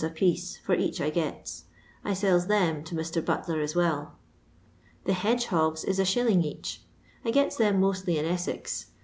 a piece for ench I gets. I sells ih^m to Mr. Butler as well. *' The hedgehogs is 1«. each ; I geU them mostly in Essex.